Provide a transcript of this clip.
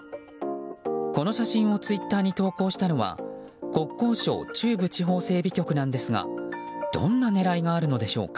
この写真をツイッターに投稿したのは国交省中部地方整備局なんですがどんな狙いがあるのでしょうか。